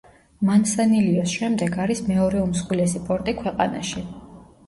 მანსანილიოს შემდეგ არის მეორე უმსხვილესი პორტი ქვეყანაში.